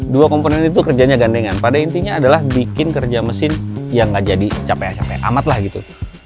dua komponen itu kerjanya gandengan pada intinya adalah bikin kerja mesin yang gak jadi capekan capek amat lah gitu